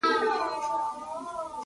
روبوټونه د تعلیمي مؤسسو برخه ګرځېدلي دي.